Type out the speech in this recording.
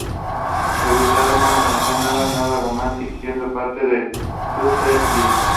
Debutaron una canción nueva "Nueva Romantics" siendo parte de su set-list.